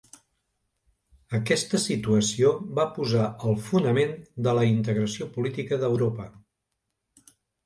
Aquesta situació va posar el fonament de la integració política d'Europa.